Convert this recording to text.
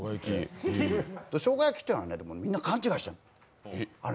しょうが焼きっていうのはみんな勘違いしてる。